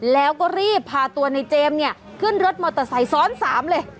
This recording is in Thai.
แล้วก็รีบพาตัวในเจมส์เนี่ยขึ้นรถมอเตอร์ไซค์ซ้อน๓เลย